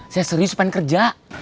saya serius pengen kerja